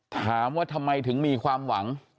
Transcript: ถามว่าทำไมถึงมีความหวัง